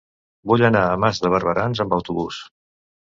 Vull anar a Mas de Barberans amb autobús.